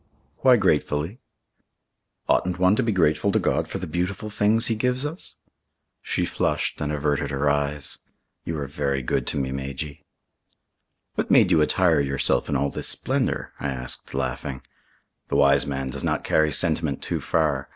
"Why gratefully?" "Oughtn't one to be grateful to God for the beautiful things He gives us?" She flushed and averted her eyes. "You are very good to me, Majy." "What made you attire yourself in all this splendour?" I asked, laughing. The wise man does not carry sentiment too far.